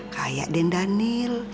kayak den daniel